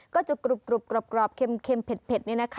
ก็จะกรุบกรอบเค็มเผ็ด